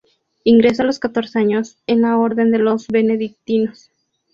Ingresó a los catorce años en la orden de los Benedictinos.